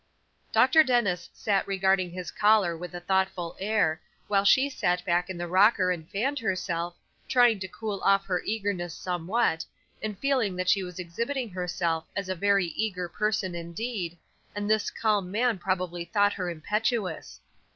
DR. DENNIS sat regarding his caller with a thoughtful air, while she sat back in the rocker and fanned herself, trying to cool off her eagerness somewhat, and feeling that she was exhibiting herself as a very eager person indeed, and this calm man probably thought her impetuous.